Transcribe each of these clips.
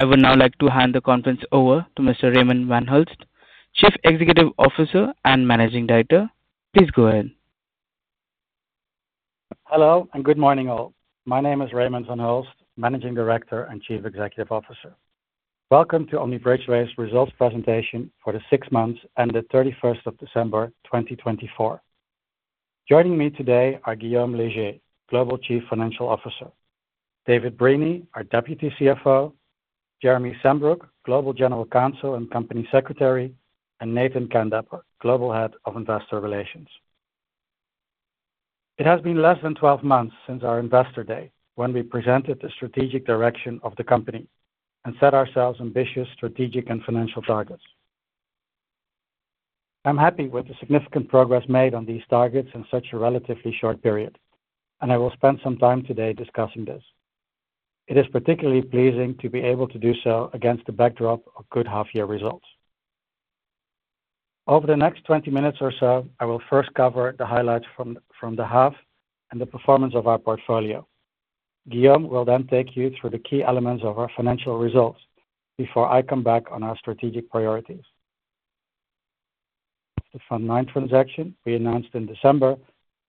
I would now like to hand the conference over to Mr. Raymond van Hulst, Chief Executive Officer and Managing Director. Please go ahead. Hello and good morning, all. My name is Raymond van Hulst, Managing Director and Chief Executive Officer. Welcome to Omni Bridgeway's results presentation for the six months ended 31st of December 2024. Joining me today are Guillaume Leger, Global Chief Financial Officer; David Breeney, our Deputy CFO; Jeremy Sambrook, Global General Counsel and Company Secretary; and Nathan Kandapper, Global Head of Investor Relations. It has been less than 12 months since our Investor Day, when we presented the strategic direction of the company and set ourselves ambitious strategic and financial targets. I'm happy with the significant progress made on these targets in such a relatively short period, and I will spend some time today discussing this. It is particularly pleasing to be able to do so against the backdrop of good half-year results. Over the next 20 minutes or so, I will first cover the highlights from the half and the performance of our portfolio. Guillaume will then take you through the key elements of our financial results before I come back on our strategic priorities. The Fund 9 transaction we announced in December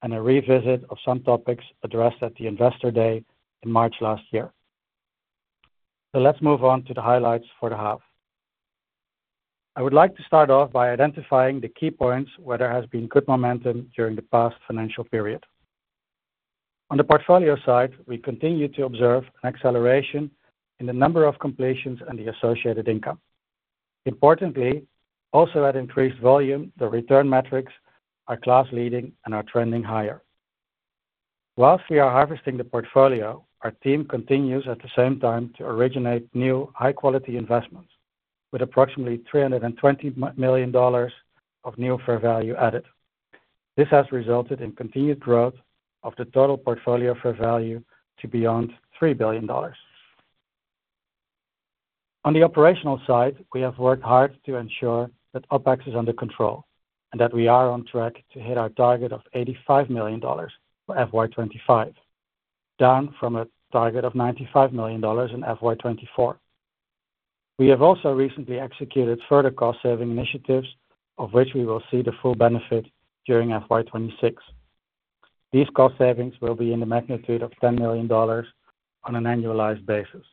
and a revisit of some topics addressed at the Investor Day in March last year. Let's move on to the highlights for the half. I would like to start off by identifying the key points where there has been good momentum during the past financial period. On the portfolio side, we continue to observe an acceleration in the number of completions and the associated income. Importantly, also at increased volume, the return metrics are class-leading and are trending higher. Whilst we are harvesting the portfolio, our team continues at the same time to originate new high-quality investments with approximately 320 million dollars of new fair value added. This has resulted in continued growth of the total portfolio fair value to beyond 3 billion dollars. On the operational side, we have worked hard to ensure that OpEx is under control and that we are on track to hit our target of 85 million dollars for FY 2025, down from a target of 95 million dollars in FY 2024. We have also recently executed further cost-saving initiatives, of which we will see the full benefit during FY 2026. These cost savings will be in the magnitude of 10 million dollars on an annualized basis.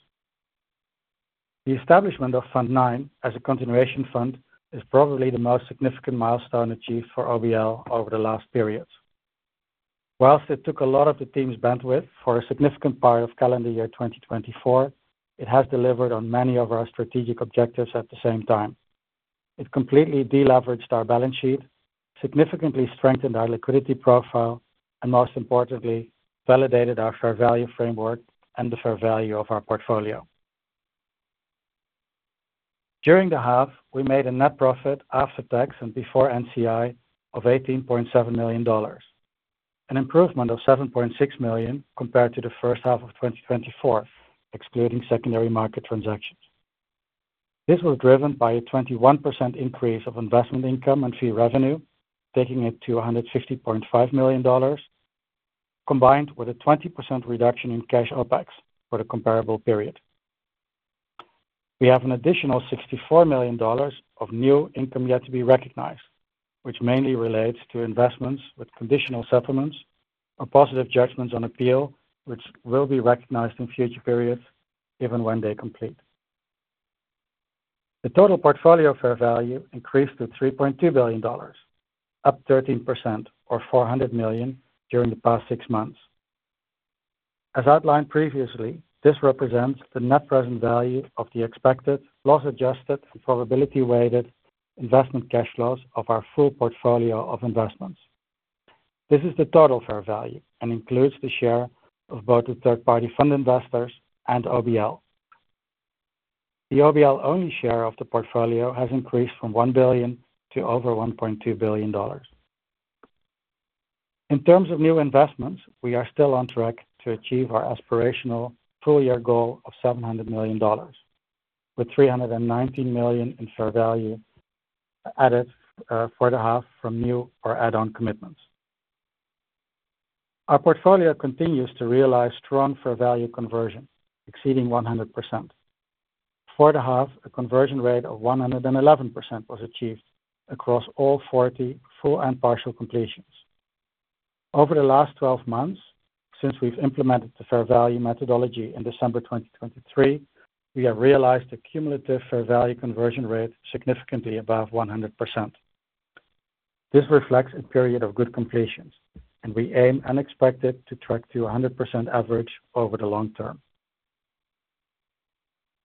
The establishment of Fund 9 as a continuation fund is probably the most significant milestone achieved for OBL over the last period. Whilst it took a lot of the team's bandwidth for a significant part of calendar year 2024, it has delivered on many of our strategic objectives at the same time. It completely deleveraged our balance sheet, significantly strengthened our liquidity profile, and most importantly, validated our fair value framework and the fair value of our portfolio. During the half, we made a net profit after tax and before NCI of 18.7 million dollars, an improvement of 7.6 million compared to the first half of 2024, excluding secondary market transactions. This was driven by a 21% increase of investment income and fee revenue, taking it to 150.5 million dollars, combined with a 20% reduction in cash OPEX for the comparable period. We have an additional 64 million dollars of new income yet to be recognized, which mainly relates to investments with conditional settlements or positive judgments on appeal, which will be recognized in future periods, even when they complete. The total portfolio fair value increased to 3.2 billion dollars, up 13%, or 400 million during the past six months. As outlined previously, this represents the net present value of the expected, loss-adjusted, and probability-weighted investment cash flows of our full portfolio of investments. This is the total fair value and includes the share of both the third-party fund investors and OBL. The OBL-only share of the portfolio has increased from 1 billion to over 1.2 billion dollars. In terms of new investments, we are still on track to achieve our aspirational full-year goal of 700 million dollars, with 319 million in fair value added for the half from new or add-on commitments. Our portfolio continues to realize strong fair value conversion, exceeding 100%. For the half, a conversion rate of 111% was achieved across all 40 full and partial completions. Over the last 12 months, since we've implemented the fair value methodology in December 2023, we have realized a cumulative fair value conversion rate significantly above 100%. This reflects a period of good completions, and we aim and expect it to track to a 100% average over the long term.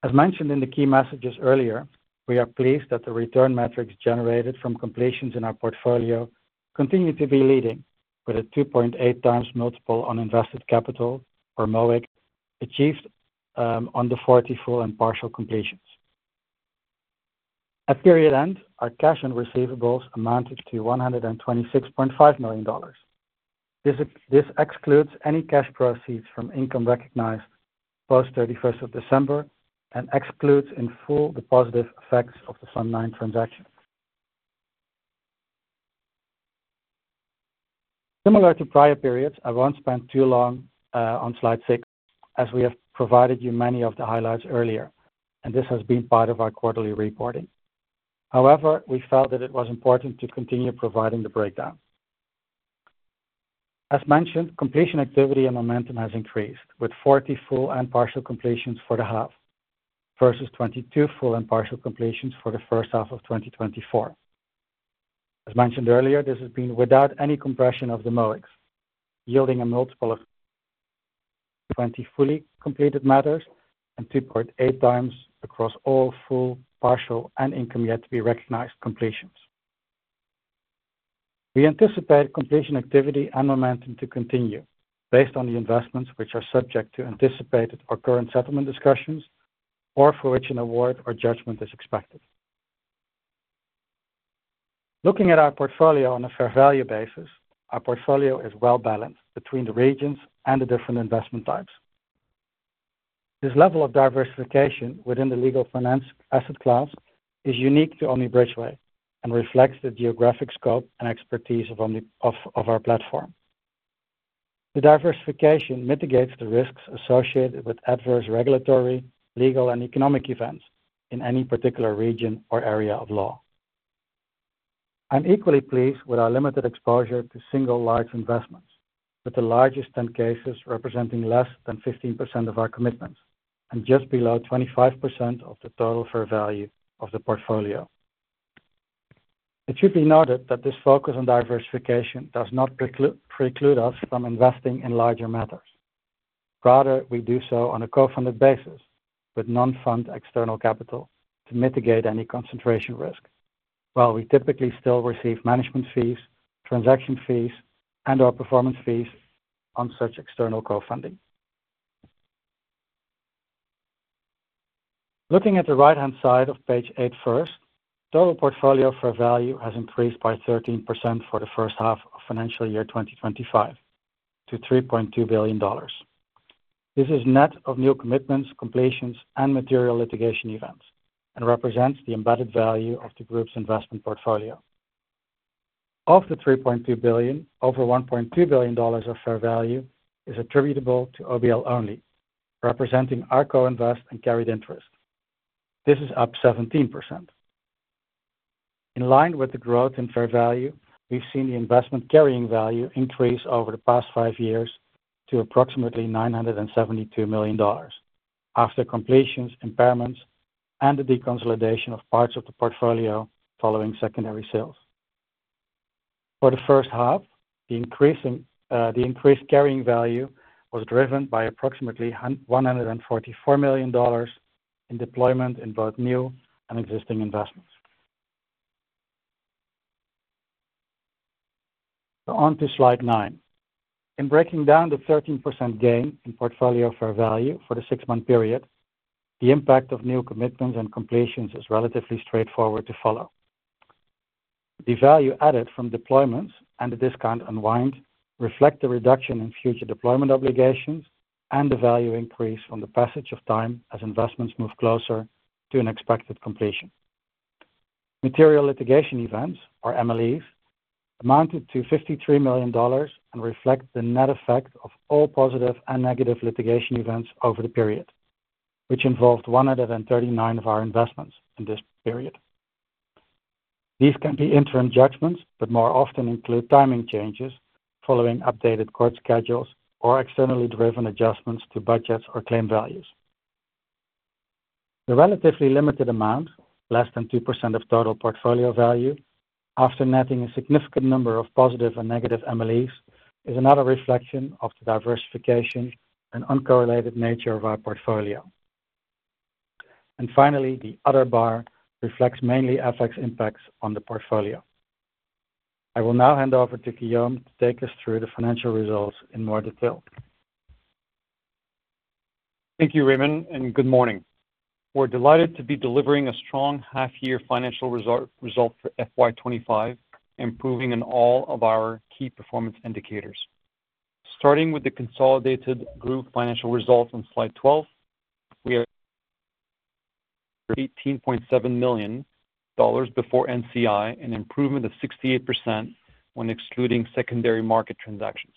As mentioned in the key messages earlier, we are pleased that the return metrics generated from completions in our portfolio continue to be leading, with a 2.8x multiple on invested capital, or MOIC, achieved on the 40 full and partial completions. At period end, our cash and receivables amounted to 126.5 million dollars. This excludes any cash proceeds from income recognized post-31st of December and excludes in full the positive effects of the Fund 9 transaction. Similar to prior periods, I won't spend too long on slide 6, as we have provided you many of the highlights earlier, and this has been part of our quarterly reporting. However, we felt that it was important to continue providing the breakdown. As mentioned, completion activity and momentum has increased, with 40 full and partial completions for the half versus 22 full and partial completions for the first half of 2024. As mentioned earlier, this has been without any compression of the MOICs, yielding a multiple of 20 fully completed matters and 2.8x across all full, partial, and income yet to be recognized completions. We anticipate completion activity and momentum to continue, based on the investments which are subject to anticipated or current settlement discussions, or for which an award or judgment is expected. Looking at our portfolio on a fair value basis, our portfolio is well-balanced between the regions and the different investment types. This level of diversification within the legal finance asset class is unique to Omni Bridgeway and reflects the geographic scope and expertise of our platform. The diversification mitigates the risks associated with adverse regulatory, legal, and economic events in any particular region or area of law. I'm equally pleased with our limited exposure to single large investments, with the largest 10 cases representing less than 15% of our commitments and just below 25% of the total fair value of the portfolio. It should be noted that this focus on diversification does not preclude us from investing in larger matters. Rather, we do so on a co-funded basis with non-fund external capital to mitigate any concentration risk, while we typically still receive management fees, transaction fees, and/or performance fees on such external co-funding. Looking at the right-hand side of page 8 first, total portfolio fair value has increased by 13% for the first half of financial year 2025 to 3.2 billion dollars. This is net of new commitments, completions, and material litigation events and represents the embedded value of the group's investment portfolio. Of the 3.2 billion, over 1.2 billion dollars of fair value is attributable to OBL only, representing our co-invest and carried interest. This is up 17%. In line with the growth in fair value, we've seen the investment carrying value increase over the past five years to approximately 972 million dollars after completions, impairments, and the deconsolidation of parts of the portfolio following secondary sales. For the first half, the increased carrying value was driven by approximately 144 million dollars in deployment in both new and existing investments. On to slide 9. In breaking down the 13% gain in portfolio fair value for the six-month period, the impact of new commitments and completions is relatively straightforward to follow. The value added from deployments and the discount unwind reflects the reduction in future deployment obligations and the value increase from the passage of time as investments move closer to an expected completion. Material litigation events, or MLEs, amounted to 53 million dollars and reflect the net effect of all positive and negative litigation events over the period, which involved 139 of our investments in this period. These can be interim judgments, but more often include timing changes following updated court schedules or externally driven adjustments to budgets or claim values. The relatively limited amount, less than 2% of total portfolio value, after netting a significant number of positive and negative MLEs, is another reflection of the diversification and uncorrelated nature of our portfolio. Finally, the other bar reflects mainly FX impacts on the portfolio. I will now hand over to Guillaume to take us through the financial results in more detail. Thank you, Raymond, and good morning. We're delighted to be delivering a strong half-year financial result for FY 2025, improving in all of our key performance indicators. Starting with the consolidated group financial results on slide 12, we have 18.7 million dollars before NCI and an improvement of 68% when excluding secondary market transactions.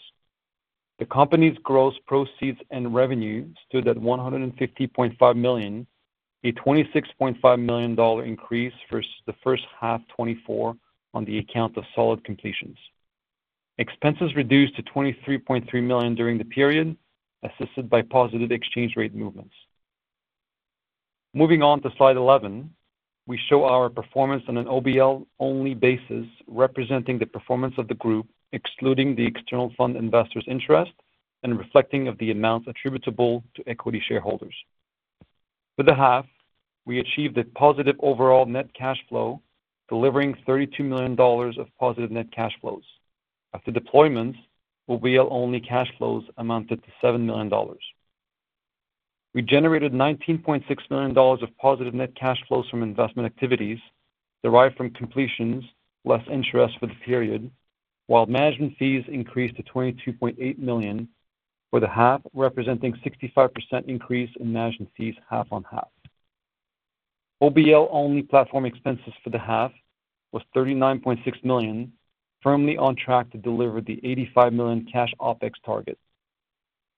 The company's gross proceeds and revenue stood at 150.5 million, a 26.5 million dollar increase versus the first half 2024 on the account of solid completions. Expenses reduced to 23.3 million during the period, assisted by positive exchange rate movements. Moving on to slide 11, we show our performance on an OBL-only basis, representing the performance of the group, excluding the external fund investors' interest and reflecting the amounts attributable to equity shareholders. For the half, we achieved a positive overall net cash flow, delivering 32 million dollars of positive net cash flows. After deployments, OBL-only cash flows amounted to 7 million dollars. We generated 19.6 million dollars of positive net cash flows from investment activities derived from completions, less interest for the period, while management fees increased to 22.8 million for the half, representing a 65% increase in management fees half on half. OBL-only platform expenses for the half was 39.6 million, firmly on track to deliver the 85 million cash OPEX target.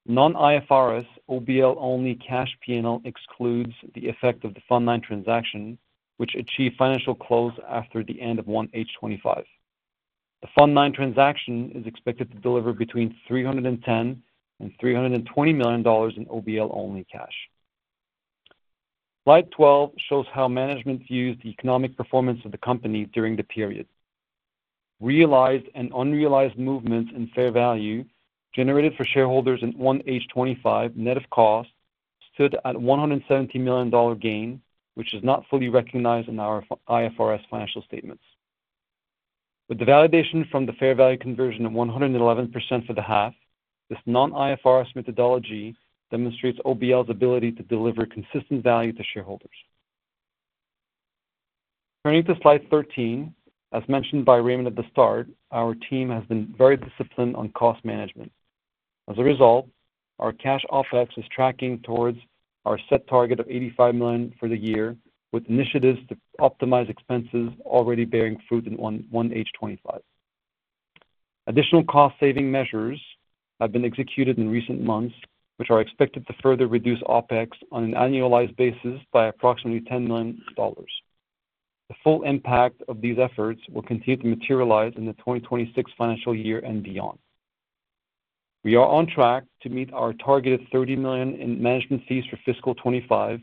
Non-IFRS OBL-only cash P&L excludes the effect of the Fund 9 transaction, which achieved financial close after the end of 1H25. The Fund 9 transaction is expected to deliver between 310 million-320 million dollars in OBL-only cash. Slide 12 shows how management views the economic performance of the company during the period. Realized and unrealized movements in fair value generated for shareholders in 1H 2025 net of cost stood at 170 million dollar gain, which is not fully recognized in our IFRS financial statements. With the validation from the fair value conversion of 111% for the half, this non-IFRS methodology demonstrates OBL's ability to deliver consistent value to shareholders. Turning to slide 13, as mentioned by Raymond at the start, our team has been very disciplined on cost management. As a result, our cash OpEx is tracking towards our set target of 85 million for the year, with initiatives to optimize expenses already bearing fruit in 1H 2025. Additional cost-saving measures have been executed in recent months, which are expected to further reduce OpEx on an annualized basis by approximately 10 million dollars. The full impact of these efforts will continue to materialize in the 2026 financial year and beyond. We are on track to meet our targeted $30 million in management fees for fiscal 2025,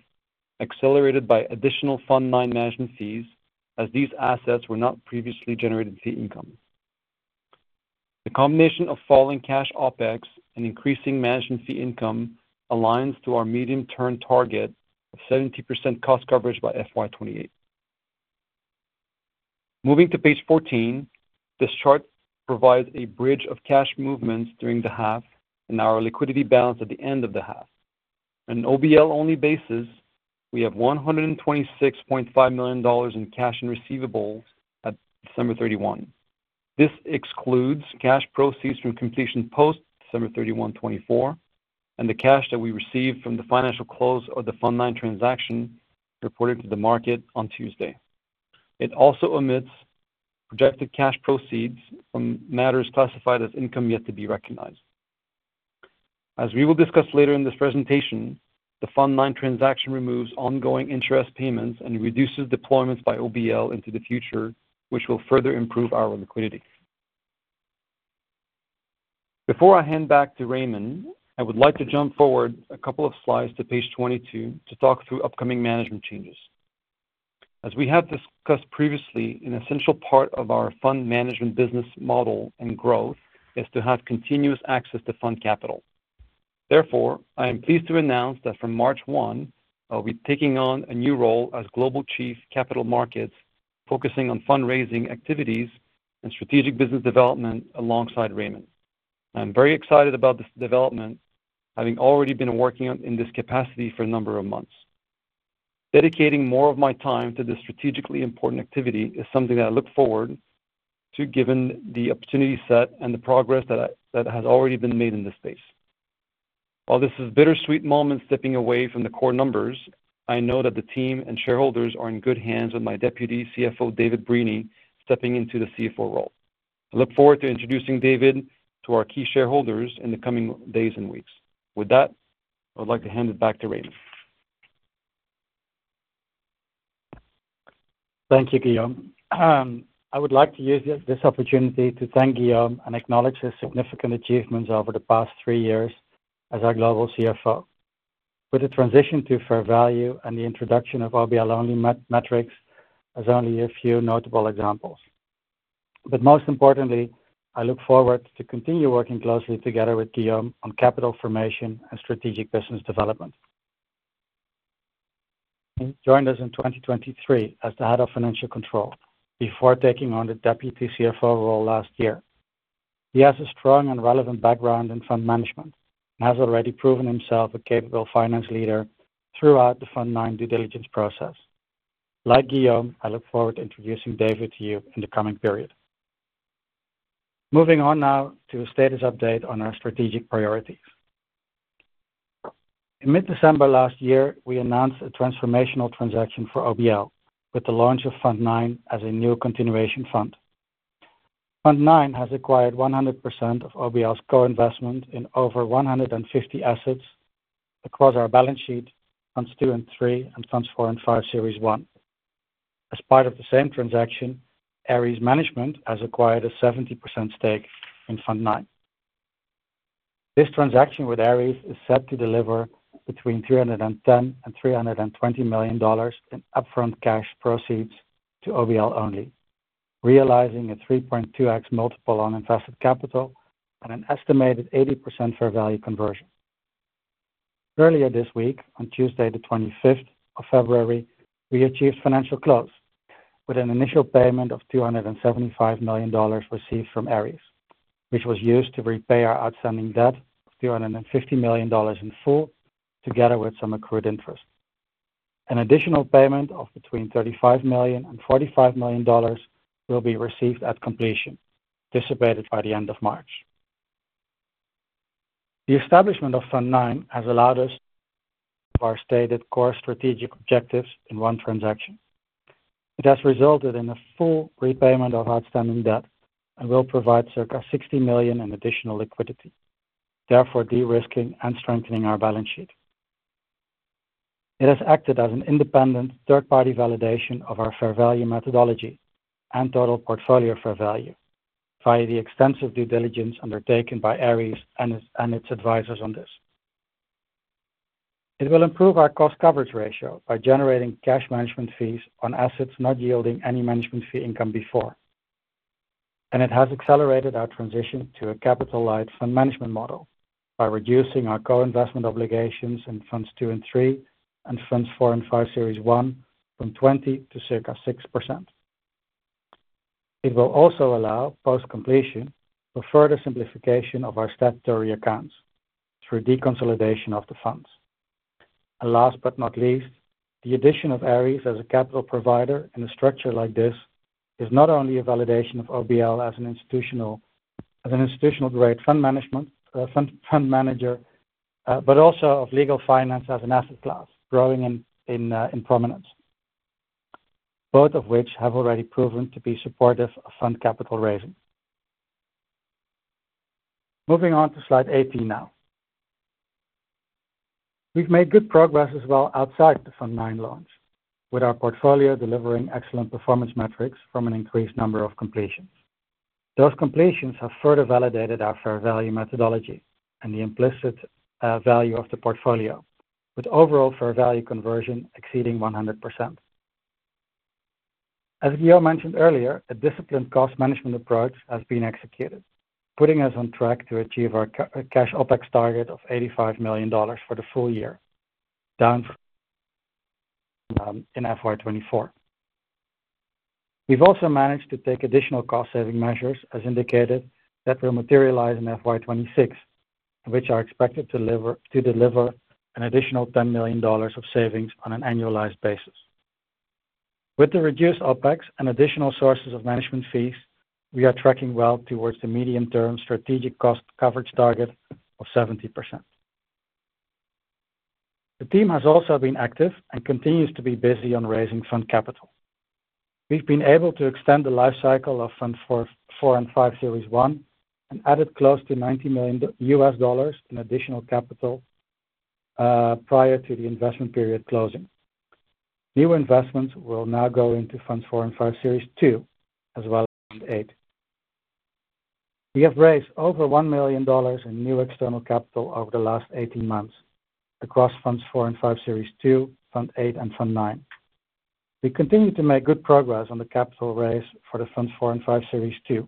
accelerated by additional Fund 9 management fees, as these assets were not previously generated fee income. The combination of falling cash OpEx and increasing management fee income aligns to our medium-term target of 70% cost coverage by fiscal 2028. Moving to page 14, this chart provides a bridge of cash movements during the half and our liquidity balance at the end of the half. On an OBL-only basis, we have 126.5 million dollars in cash and receivables at December 31, 2024. This excludes cash proceeds from completion post-December 31, 2024, and the cash that we received from the financial close of the Fund 9 transaction reported to the market on Tuesday. It also omits projected cash proceeds from matters classified as income yet to be recognized. As we will discuss later in this presentation, the Fund 9 transaction removes ongoing interest payments and reduces deployments by OBL into the future, which will further improve our liquidity. Before I hand back to Raymond, I would like to jump forward a couple of slides to page 22 to talk through upcoming management changes. As we have discussed previously, an essential part of our fund management business model and growth is to have continuous access to fund capital. Therefore, I am pleased to announce that from March 1, I'll be taking on a new role as Global Chief Capital Markets, focusing on fundraising activities and strategic business development alongside Raymond. I'm very excited about this development, having already been working in this capacity for a number of months. Dedicating more of my time to this strategically important activity is something that I look forward to, given the opportunity set and the progress that has already been made in this space. While this is a bittersweet moment stepping away from the core numbers, I know that the team and shareholders are in good hands with my Deputy CFO, David Breeney, stepping into the CFO role. I look forward to introducing David to our key shareholders in the coming days and weeks. With that, I would like to hand it back to Raymond. Thank you, Guillaume. I would like to use this opportunity to thank Guillaume and acknowledge his significant achievements over the past three years as our Global CFO, with the transition to fair value and the introduction of OBL-only metrics as only a few notable examples. Most importantly, I look forward to continuing working closely together with Guillaume on capital formation and strategic business development. He joined us in 2023 as the Head of Financial Control before taking on the Deputy CFO role last year. He has a strong and relevant background in fund management and has already proven himself a capable finance leader throughout the Fund 9 due diligence process. Like Guillaume, I look forward to introducing David to you in the coming period. Moving on now to a status update on our strategic priorities. In mid-December last year, we announced a transformational transaction for OBL with the launch of Fund 9 as a new continuation fund. Fund 9 has acquired 100% of OBL's co-investment in over 150 assets across our balance sheet, Fund 2 and Fund 3, and Fund 4 and Fund 5 Series 1. As part of the same transaction, Ares Management has acquired a 70% stake in Fund 9. This transaction with Ares is set to deliver between 310 million and 320 million dollars in upfront cash proceeds to OBL only, realizing a 3.2x multiple on invested capital and an estimated 80% fair value conversion. Earlier this week, on Tuesday the 25th of February, we achieved financial close with an initial payment of 275 million dollars received from Ares, which was used to repay our outstanding debt of 250 million dollars in full, together with some accrued interest. An additional payment of between 35 million-45 million dollars will be received at completion, dissipated by the end of March. The establishment of Fund 9 has allowed us to achieve our stated core strategic objectives in one transaction. It has resulted in a full repayment of outstanding debt and will provide circa 60 million in additional liquidity, therefore de-risking and strengthening our balance sheet. It has acted as an independent third-party validation of our fair value methodology and total portfolio fair value via the extensive due diligence undertaken by Ares and its advisors on this. It will improve our cost coverage ratio by generating cash management fees on assets not yielding any management fee income before, and it has accelerated our transition to a capital-light fund management model by reducing our co-investment obligations in Funds 2 and 3 and Funds 4 and 5 Series 1 from 20% to circa 6%. It will also allow, post-completion, a further simplification of our statutory accounts through deconsolidation of the funds. Last but not least, the addition of Ares as a capital provider in a structure like this is not only a validation of OBL as an institutional-grade fund manager, but also of legal finance as an asset class growing in prominence, both of which have already proven to be supportive of fund capital raising. Moving on to slide 18 now. We've made good progress as well outside the Fund 9 launch, with our portfolio delivering excellent performance metrics from an increased number of completions. Those completions have further validated our fair value methodology and the implicit value of the portfolio, with overall fair value conversion exceeding 100%. As Guillaume mentioned earlier, a disciplined cost management approach has been executed, putting us on track to achieve our cash OpEx target of 85 million dollars for the full year, down in FY 2024. We've also managed to take additional cost-saving measures, as indicated, that will materialize in FY 2026, which are expected to deliver an additional 10 million dollars of savings on an annualized basis. With the reduced OpEx and additional sources of management fees, we are tracking well towards the medium-term strategic cost coverage target of 70%. The team has also been active and continues to be busy on raising fund capital. We've been able to extend the lifecycle of Funds 4 and 5 Series 1 and added close to AUD 90 million in additional capital prior to the investment period closing. New investments will now go into Funds 4 and 5 Series 2, as well as Fund 8. We have raised over 1 million dollars in new external capital over the last 18 months across Funds 4 and 5 Series 2, Fund 8, and Fund 9. We continue to make good progress on the capital raise for the Funds 4 and 5 Series 2,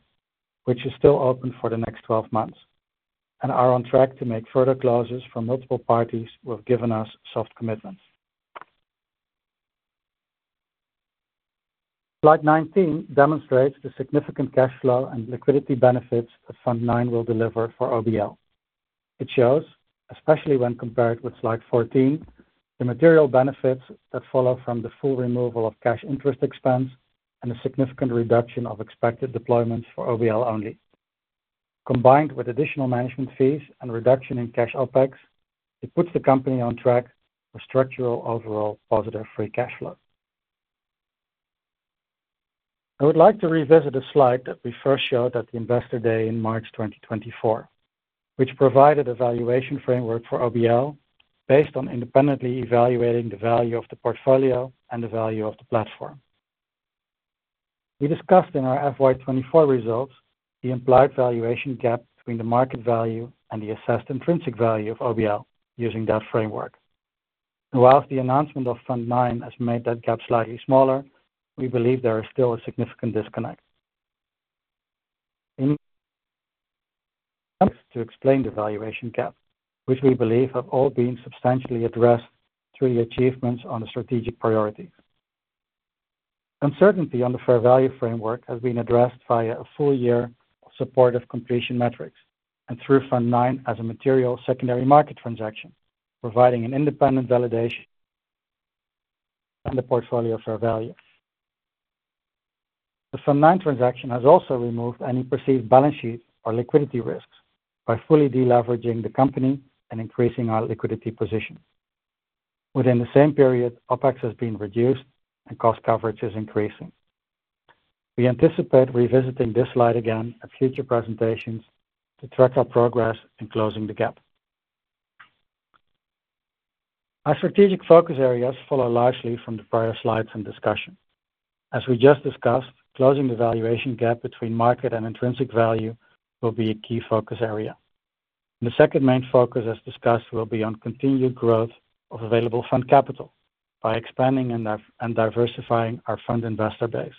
which is still open for the next 12 months, and are on track to make further closes from multiple parties who have given us soft commitments. Slide 19 demonstrates the significant cash flow and liquidity benefits that Fund 9 will deliver for OBL. It shows, especially when compared with slide 14, the material benefits that follow from the full removal of cash interest expense and the significant reduction of expected deployments for OBL-only. Combined with additional management fees and reduction in cash OpEx, it puts the company on track for structural overall positive free cash flow. I would like to revisit the slide that we first showed at the investor day in March 2024, which provided a valuation framework for OBL based on independently evaluating the value of the portfolio and the value of the platform. We discussed in our FY 2024 results the implied valuation gap between the market value and the assessed intrinsic value of OBL using that framework. Whilst the announcement of Fund 9 has made that gap slightly smaller, we believe there is still a significant disconnect. To explain the valuation gap, which we believe have all been substantially addressed through the achievements on the strategic priorities. Uncertainty on the fair value framework has been addressed via a full year of supportive completion metrics and through Fund 9 as a material secondary market transaction, providing an independent validation on the portfolio fair value. The Fund 9 transaction has also removed any perceived balance sheet or liquidity risks by fully deleveraging the company and increasing our liquidity position. Within the same period, OpEx has been reduced and cost coverage is increasing. We anticipate revisiting this slide again at future presentations to track our progress in closing the gap. Our strategic focus areas follow largely from the prior slides and discussion. As we just discussed, closing the valuation gap between market and intrinsic value will be a key focus area. The second main focus, as discussed, will be on continued growth of available fund capital by expanding and diversifying our fund investor base.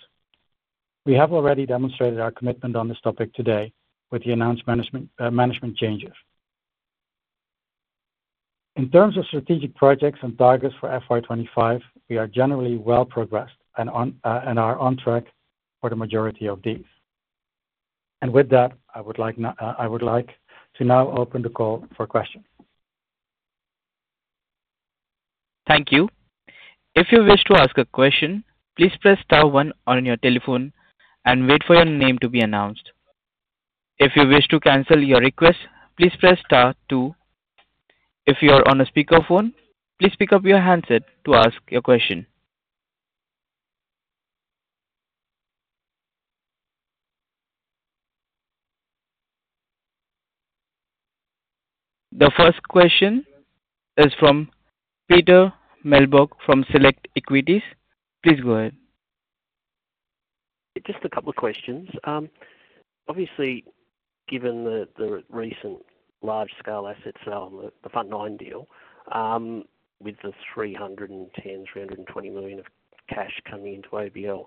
We have already demonstrated our commitment on this topic today with the announced management changes. In terms of strategic projects and targets for FY 2025, we are generally well progressed and are on track for the majority of these. With that, I would like to now open the call for questions. Thank you. If you wish to ask a question, please press star 1 on your telephone and wait for your name to be announced. If you wish to cancel your request, please press star two. If you are on a speakerphone, please pick up your handset to ask your question. The first question is from Peter Meichelboeck from Select Equities. Please go ahead. Just a couple of questions. Obviously, given the recent large-scale asset sale, the Fund 9 deal, with the 310 million-320 million of cash coming into OBL,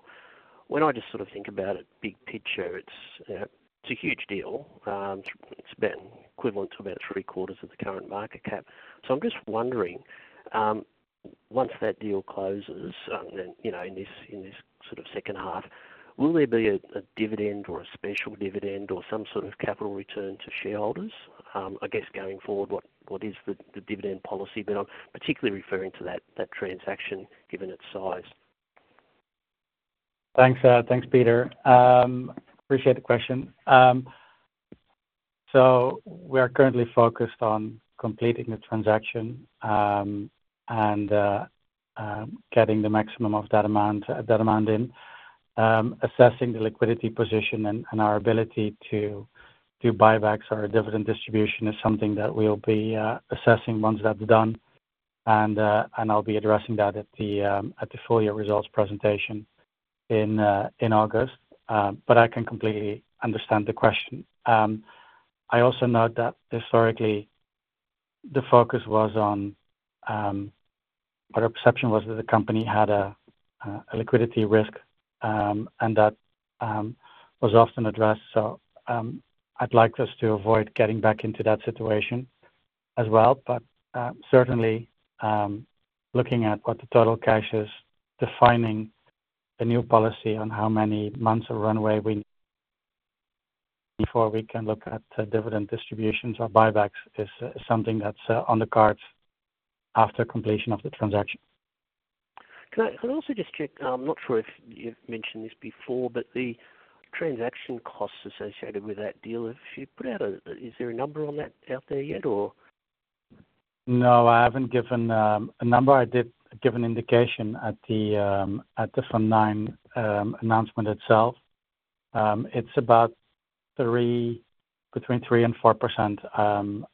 when I just sort of think about it, big picture, it's a huge deal. It's been equivalent to about three-quarters of the current market cap. I'm just wondering, once that deal closes, in this sort of second half, will there be a dividend or a special dividend or some sort of capital return to shareholders? I guess going forward, what is the dividend policy? I'm particularly referring to that transaction, given its size. Thanks, Peter. Appreciate the question. We are currently focused on completing the transaction and getting the maximum of that amount in. Assessing the liquidity position and our ability to do buybacks or dividend distribution is something that we'll be assessing once that's done. I'll be addressing that at the full year results presentation in August. I can completely understand the question. I also note that historically, the focus was on what our perception was that the company had a liquidity risk, and that was often addressed. I would like us to avoid getting back into that situation as well. Certainly, looking at what the total cash is, defining a new policy on how many months of runway we need before we can look at dividend distributions or buybacks is something that's on the cards after completion of the transaction. Can I also just check? I'm not sure if you've mentioned this before, but the transaction costs associated with that deal, if you put out a—is there a number on that out there yet, or? No, I haven't given a number. I did give an indication at the Fund 9 announcement itself. It's about between 3%-4%,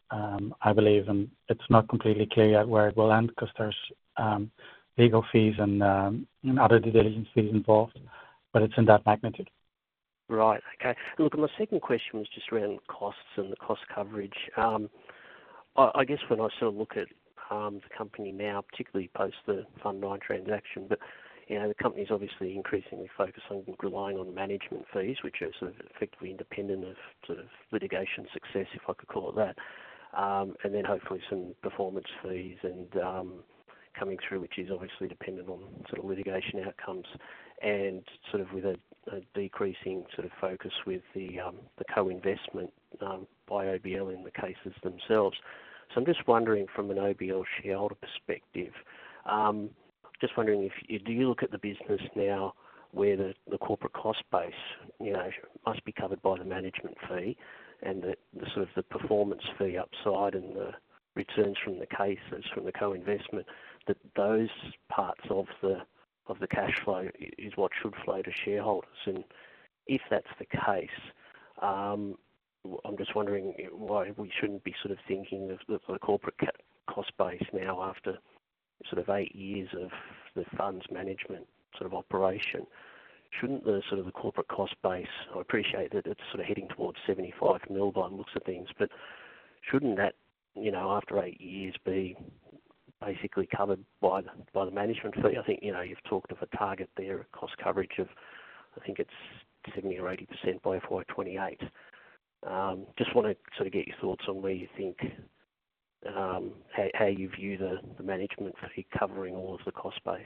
I believe. It's not completely clear yet where it will end because there's legal fees and other due diligence fees involved, but it's in that magnitude. Right. Okay. Look, my second question was just around costs and the cost coverage. I guess when I sort of look at the company now, particularly post the Fund 9 transaction, the company's obviously increasingly focused on relying on management fees, which are sort of effectively independent of sort of litigation success, if I could call it that, and then hopefully some performance fees coming through, which is obviously dependent on sort of litigation outcomes and sort of with a decreasing sort of focus with the co-investment by OBL in the cases themselves. I'm just wondering, from an OBL shareholder perspective, do you look at the business now where the corporate cost base must be covered by the management fee and sort of the performance fee upside and the returns from the cases from the co-investment, that those parts of the cash flow are what should flow to shareholders? If that's the case, I'm just wondering why we shouldn't be sort of thinking of the corporate cost base now after eight years of the fund's management sort of operation. Shouldn't the corporate cost base—I appreciate that it's heading towards 75 million by the looks of things—but shouldn't that, after eight years, be basically covered by the management fee? I think you've talked of a target there, a cost coverage of, I think it's 70% or 80% by FY 2028. Just want to sort of get your thoughts on where you think, how you view the management fee covering all of the cost base.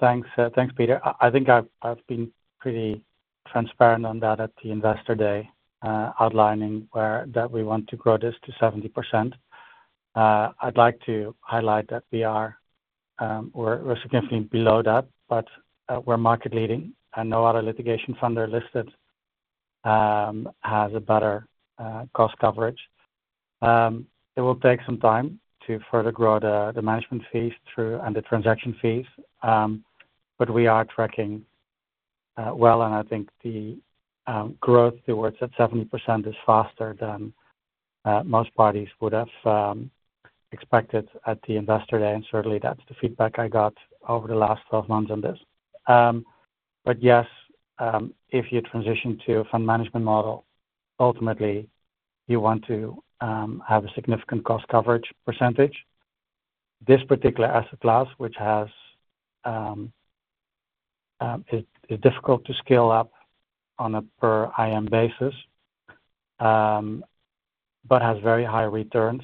Thanks, Peter. I think I've been pretty transparent on that at the investor day, outlining that we want to grow this to 70%. I'd like to highlight that we're significantly below that, but we're market-leading, and no other litigation funder listed has a better cost coverage. It will take some time to further grow the management fees and the transaction fees, but we are tracking well, and I think the growth towards that 70% is faster than most parties would have expected at the investor day. Certainly, that's the feedback I got over the last 12 months on this. Yes, if you transition to a fund management model, ultimately, you want to have a significant cost coverage percentage. This particular asset class, which is difficult to scale up on a per IM basis but has very high returns,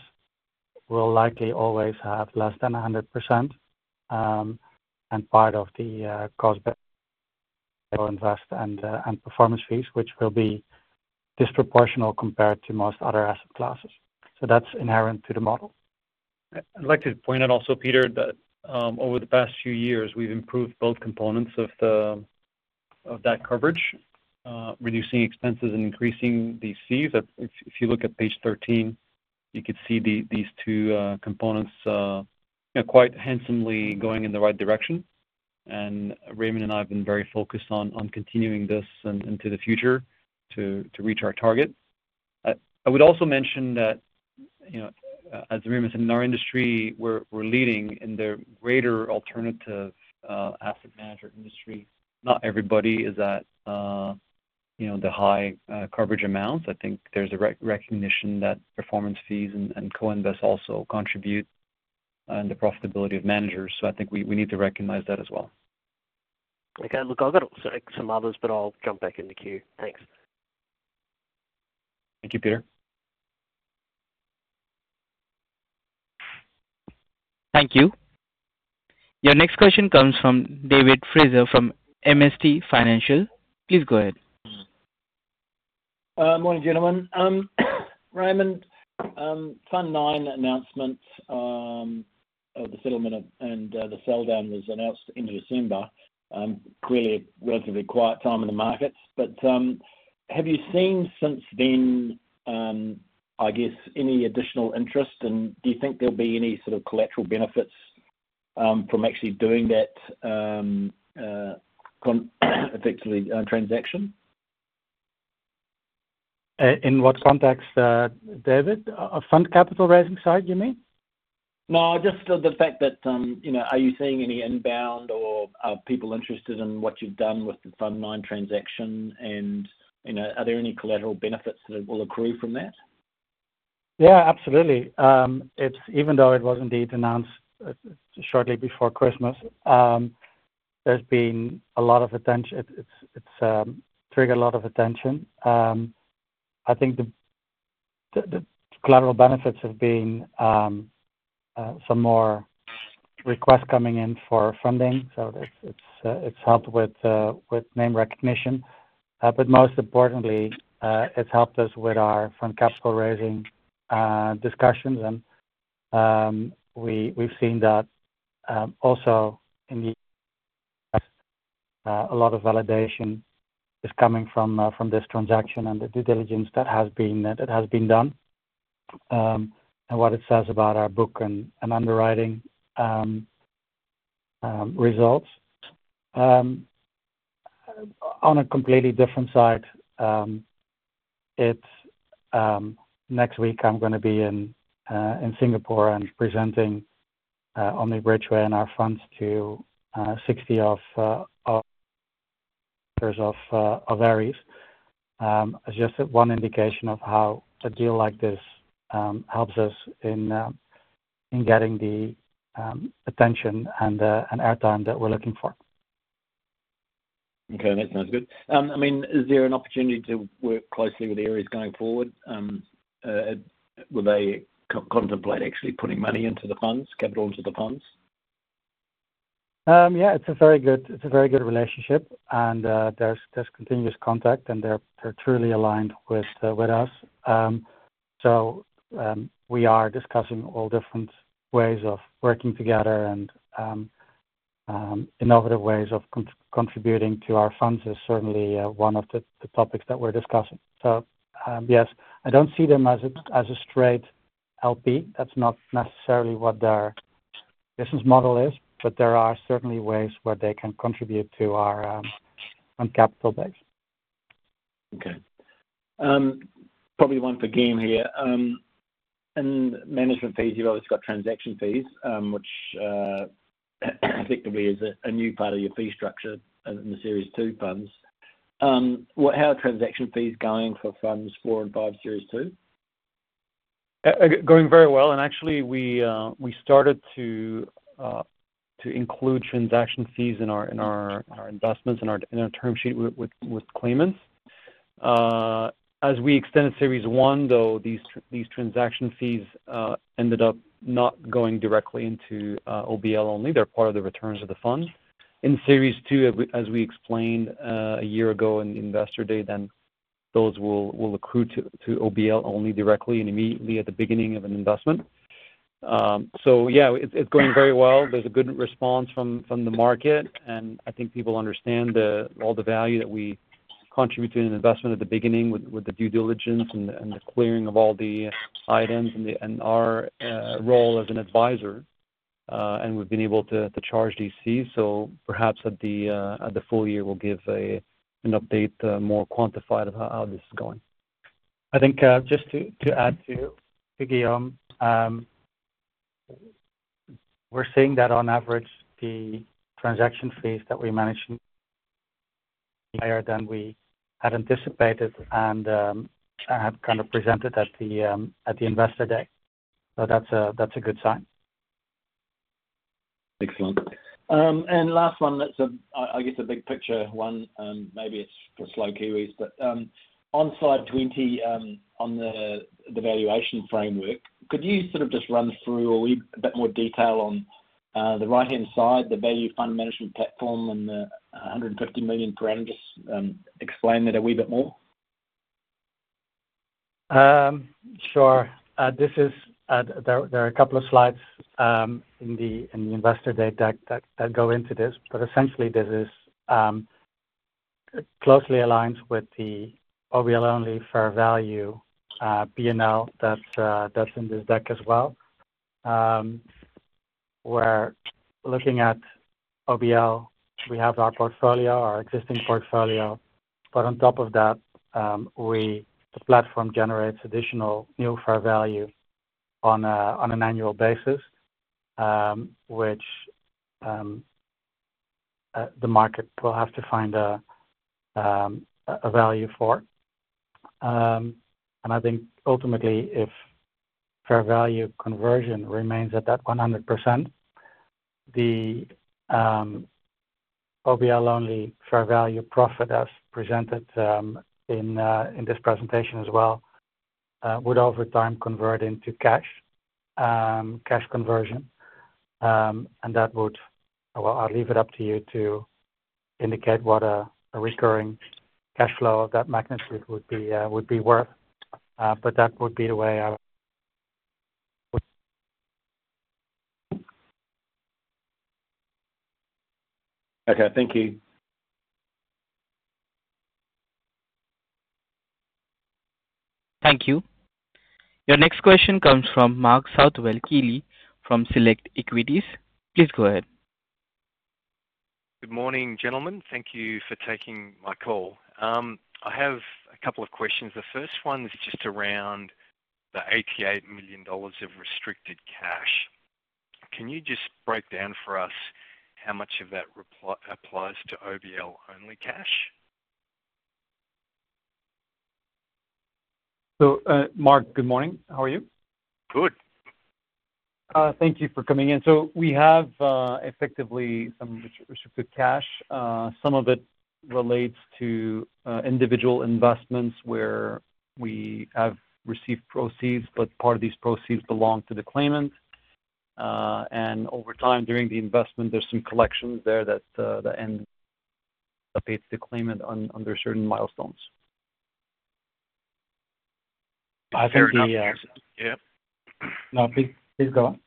will likely always have less than 100% and part of the cost invest and performance fees, which will be disproportional compared to most other asset classes. That is inherent to the model. I'd like to point out also, Peter, that over the past few years, we've improved both components of that coverage, reducing expenses and increasing these fees. If you look at page 13, you could see these two components quite handsomely going in the right direction. Raymond and I have been very focused on continuing this into the future to reach our target. I would also mention that, as Raymond said, in our industry, we're leading in the greater alternative asset manager industry. Not everybody is at the high coverage amounts. I think there's a recognition that performance fees and co-invest also contribute in the profitability of managers. I think we need to recognize that as well. Okay. Look, I've got some others, but I'll jump back in the queue. Thanks. Thank you, Peter. Thank you. Your next question comes from David Fraser from MST Financial. Please go ahead. Morning, gentlemen. Raymond, Fund 9 announcement of the settlement and the sell down was announced in December. Really a relatively quiet time in the markets. Have you seen since then, I guess, any additional interest? Do you think there'll be any sort of collateral benefits from actually doing that effectively transaction? In what context, David? Fund capital raising side, you mean? No, just the fact that are you seeing any inbound or are people interested in what you've done with the Fund 9 transaction? Are there any collateral benefits that will accrue from that? Yeah, absolutely. Even though it was indeed announced shortly before Christmas, there's been a lot of attention. It's triggered a lot of attention. I think the collateral benefits have been some more requests coming in for funding. It's helped with name recognition. Most importantly, it's helped us with our fund capital raising discussions. We've seen that also in the a lot of validation is coming from this transaction and the due diligence that has been done. What it says about our book and underwriting results. On a completely different side, next week, I'm going to be in Singapore and presenting Omni Bridgeway and our funds to 60 of our various. It's just one indication of how a deal like this helps us in getting the attention and airtime that we're looking for. Okay. That sounds good. I mean, is there an opportunity to work closely with Ares going forward? Will they contemplate actually putting money into the funds, capital into the funds? Yeah. It's a very good relationship. There's continuous contact, and they're truly aligned with us. We are discussing all different ways of working together, and innovative ways of contributing to our funds is certainly one of the topics that we're discussing. Yes, I don't see them as a straight LP. That's not necessarily what their business model is. There are certainly ways where they can contribute to our fund capital base. Okay. Probably one for Guillaume here. In management fees, you've obviously got transaction fees, which effectively is a new part of your fee structure in the Series 2 funds. How are transaction fees going for Funds 4 and 5 Series 2? Going very well. Actually, we started to include transaction fees in our investments and our term sheet with claimants. As we extended Series 1, though, these transaction fees ended up not going directly into OBL only. They are part of the returns of the fund. In Series 2, as we explained a year ago in investor day, those will accrue to OBL only directly and immediately at the beginning of an investment. Yeah, it is going very well. There is a good response from the market. I think people understand all the value that we contribute to an investment at the beginning with the due diligence and the clearing of all the items and our role as an advisor. We have been able to charge these fees. Perhaps at the full year, we will give an update more quantified of how this is going. I think just to add too, Guillaume, we're seeing that on average, the transaction fees that we manage are higher than we had anticipated and have kind of presented at the investor day. That is a good sign. Excellent. Last one, I guess a big picture one, maybe it's for slow Kiwis, but on slide 20 on the valuation framework, could you sort of just run through a bit more detail on the right-hand side, the value fund management platform and the 150 million parameters, explain that a wee bit more? Sure. There are a couple of slides in the investor day that go into this. Essentially, this closely aligns with the OBL only fair value BNL that is in this deck as well. Where looking at OBL, we have our portfolio, our existing portfolio. On top of that, the platform generates additional new fair value on an annual basis, which the market will have to find a value for. I think ultimately, if fair value conversion remains at that 100%, the OBL only fair value profit as presented in this presentation as well would over time convert into cash conversion. I will leave it up to you to indicate what a recurring cash flow of that magnitude would be worth. That would be the way I would. Okay. Thank you. Thank you. Your next question comes from Mark Southwell-Keely. Please go ahead. Good morning, gentlemen. Thank you for taking my call. I have a couple of questions. The first one is just around the 88 million dollars of restricted cash. Can you just break down for us how much of that applies to OBL only cash? Mark, good morning. How are you? Good. Thank you for coming in. We have effectively some restricted cash. Some of it relates to individual investments where we have received proceeds, but part of these proceeds belong to the claimant. Over time during the investment, there are some collections there that pay the claimant under certain milestones. I think the—yeah. No, please go on.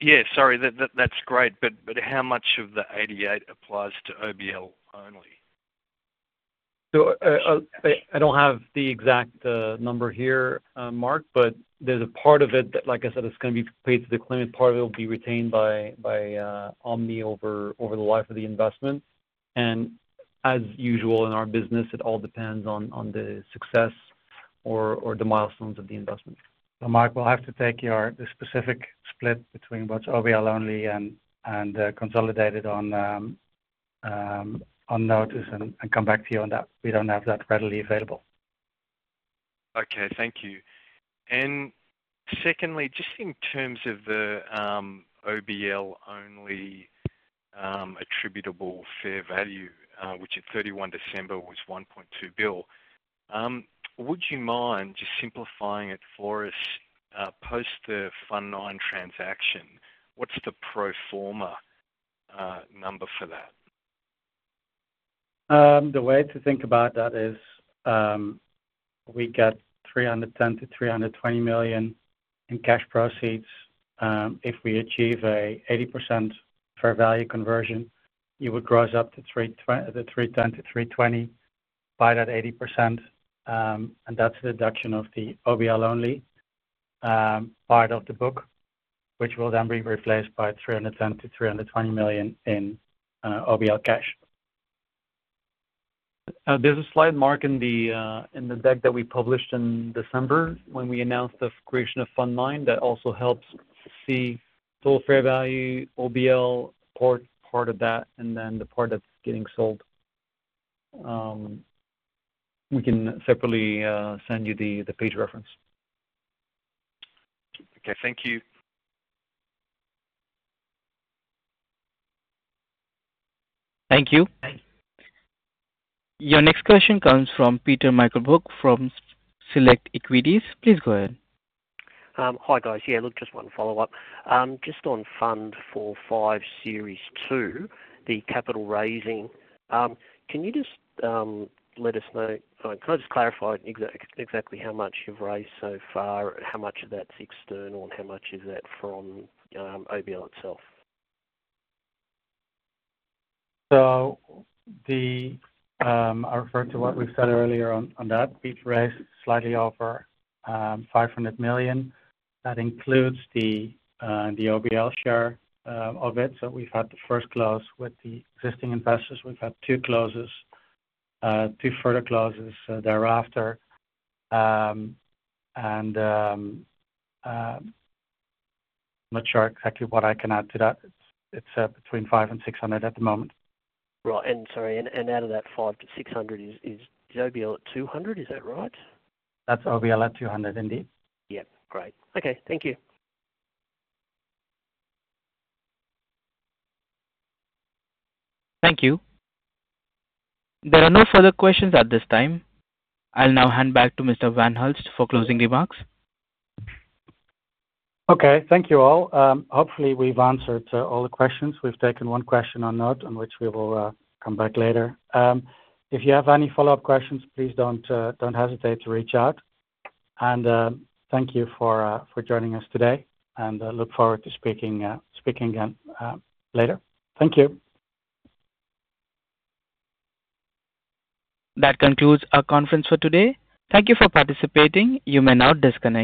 Yeah. Sorry. That's great. But how much of the 88 applies to OBL only? I do not have the exact number here, Mark, but there is a part of it that, like I said, is going to be paid to the claimant. Part of it will be retained by Omni over the life of the investment. As usual in our business, it all depends on the success or the milestones of the investment. Mark, we'll have to take the specific split between what's OBL only and consolidated on notice and come back to you on that. We don't have that readily available. Okay. Thank you. Secondly, just in terms of the OBL-only attributable fair value, which at 31 December was 1.2 billion, would you mind just simplifying it for us post the Fund 9 transaction? What is the pro forma number for that? The way to think about that is we get 310 million-320 million in cash proceeds. If we achieve an 80% fair value conversion, it would gross up to 310 million-320 million by that 80%. And that's a deduction of the OBL only part of the book, which will then be replaced by 310 million-320 million in OBL cash. There's a slide, Mark, in the deck that we published in December when we announced the creation of Fund 9. That also helps see total fair value, OBL, part of that, and then the part that's getting sold. We can separately send you the page reference. Okay. Thank you. Thank you. Your next question comes from Peter Meichelboeck from Select Equities. Please go ahead. Hi guys. Yeah, look, just wanted to follow up. Just on Fund 4, 5 Series 2, the capital raising, can you just let us know—can I just clarify exactly how much you've raised so far? How much of that's external and how much is that from OBL itself? I refer to what we've said earlier on that. We've raised slightly over 500 million. That includes the OBL share of it. We've had the first close with the existing investors. We've had two closes, two further closes thereafter. I'm not sure exactly what I can add to that. It's between 500 million-600 million at the moment. Right. Sorry. And out of that 500 million-600 million, is OBL at 200? Is that right? That's OBL at 200 indeed. Yeah. Great. Okay. Thank you. Thank you. There are no further questions at this time. I'll now hand back to Mr. van Hulst for closing remarks. Okay. Thank you all. Hopefully, we've answered all the questions. We've taken one question or not, on which we will come back later. If you have any follow-up questions, please don't hesitate to reach out. Thank you for joining us today. I look forward to speaking again later. Thank you. That concludes our conference for today. Thank you for participating. You may now disconnect.